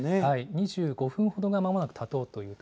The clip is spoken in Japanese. ２５分ほどがまもなくたとう